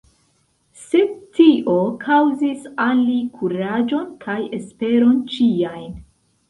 Sed tio kaŭzis al li kuraĝon kaj esperon ĉiajn!